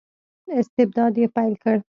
استبداد یې پیل کړ.